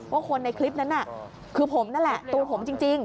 ว่าคนในคลิปนั้นน่ะคือผมนั่นแหละตัวผมจริง